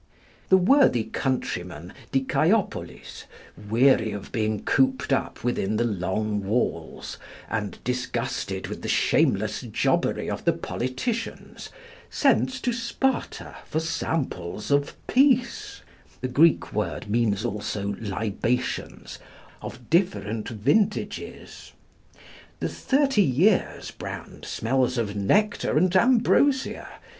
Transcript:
The worthy countryman, Dicæopolis, weary of being cooped up within the Long Walls, and disgusted with the shameless jobbery of the politicians, sends to Sparta for samples of peace (the Greek word means also libations) of different vintages. The Thirty Years' brand smells of nectar and ambrosia.